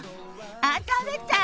あ食べたい！